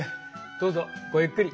どうぞごゆっくり。